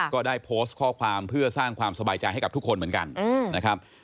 ก็ได้โพสต์ข้อความเพื่อสร้างความสบายใจให้กับทุกคนเหมือนกันนะครับ